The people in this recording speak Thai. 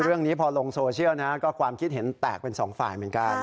เรื่องนี้พอลงโซเชียลนะก็ความคิดเห็นแตกเป็นสองฝ่ายเหมือนกัน